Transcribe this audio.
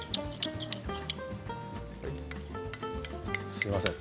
すみません。